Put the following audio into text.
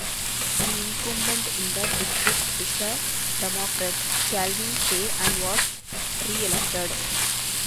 The incumbent in that district is a Democrat, Calvin Say, and was reelected.